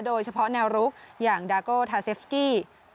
โดยเฉพาะแนวรุกอย่างดาโกทาเซฟสกี้